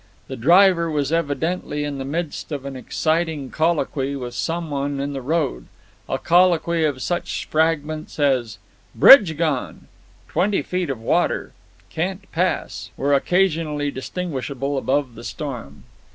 The driver was evidently in the midst of an exciting colloquy with someone in the road a colloquy of which such fragments as "bridge gone," "twenty feet of water," "can't pass," were occasionally distinguishable above the storm.